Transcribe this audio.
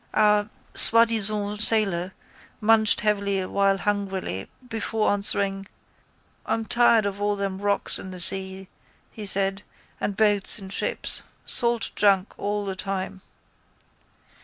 Our soi disant sailor munched heavily awhile hungrily before answering: —I'm tired of all them rocks in the sea, he said, and boats and ships. Salt junk all the time.